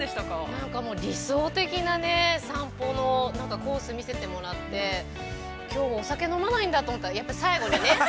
◆なんかもう、理想的なさんぽのコース見せてもらって、きょうお酒飲まないんだと思ったら、やっぱり最後にね。